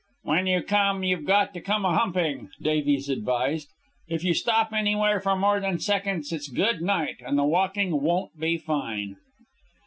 "When you come you've got to come a humping," Davies advised. "If you stop anywhere for more than seconds, it's good night, and the walking won't be fine."